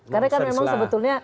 karena kan memang sebetulnya